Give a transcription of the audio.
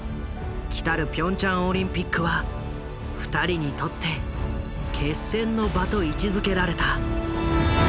きたるピョンチャンオリンピックは２人にとって決戦の場と位置づけられた。